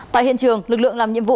tại hiện trường lực lượng làm nhiệm vụ